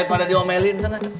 aduh diomelin sana